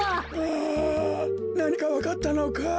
あなにかわかったのかい？